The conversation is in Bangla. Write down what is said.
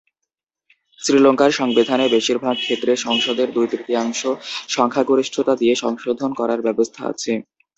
শ্রীলঙ্কার সংবিধানে বেশির ভাগ ক্ষেত্রে সংসদের দুই-তৃতীয়াংশ সংখ্যাগরিষ্ঠতা দিয়ে সংশোধন করার ব্যবস্থা আছে।